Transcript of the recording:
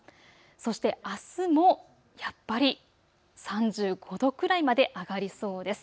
そしてあすもやっぱり３５度くらいまで上がりそうです。